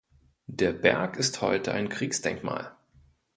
Der Berg ist heute ein Kriegsdenkmal.